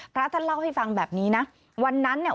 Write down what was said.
พระท่านเล่าให้ฟังแบบนี้นะวันนั้นเนี่ย